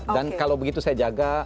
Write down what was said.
kalau begitu saya jaga